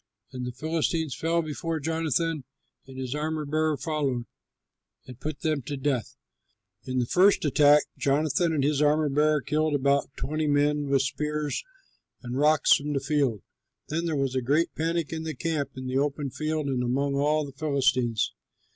And the Philistines fell before Jonathan, and his armor bearer followed and put them to death. In the first attack Jonathan and his armor bearer killed about twenty men with spears and rocks from the field. Then there was a great panic in the camp, in the open field, and among all the Philistines.